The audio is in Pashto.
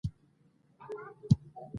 کلي د جغرافیایي موقیعت یوه مهمه پایله ده.